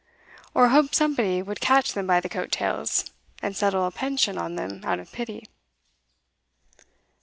'Or hoped somebody would catch them by the coat tails, and settle a pension on them out of pity.